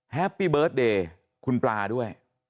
แฮปปี้เบิร์ตเดย์คุณปลาด้วย